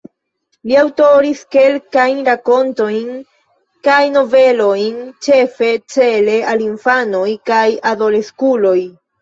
Li aŭtoris kelkajn rakontojn kaj novelojn, ĉefe cele al infanoj kaj adoleskuloj.